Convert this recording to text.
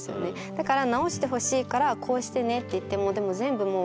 だから治してほしいから「こうしてね」って言ってもでも全部もう忘れちゃう。